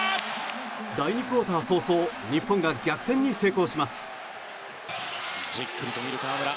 第２クオーター早々日本が逆転に成功します。